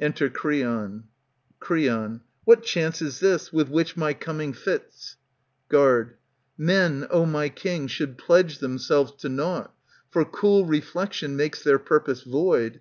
Enter Creon. Creon. What chance is this, with which my coming fits ? Guard. Men, O my king, should pledge themselves to nought ; For cool reflection makes their purpose void.